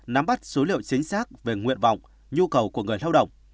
nắm bắt số liệu chính xác về nguyện vọng nhu cầu của người lao động